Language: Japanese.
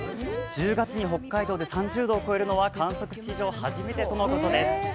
１０月に北海道で３０度を超えるのは観測史上初めてということです。